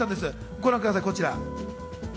ご覧ください、こちら。